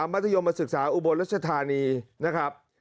มัธยมศึกษาอุบลรัชธานีนะครับ